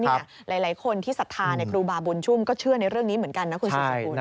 หลายคนที่ศรัทธาในครูบาบุญชุมก็เชื่อในเรื่องนี้เหมือนกันนะคุณสุดสกุล